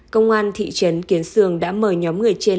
công an thị trấn kiến sương đã mời nhóm người trên